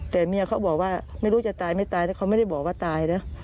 แต่เมียเขาบอกว่าไม่รู้จะตายไม่ตายแต่เขาไม่ได้บอกว่าตายนะ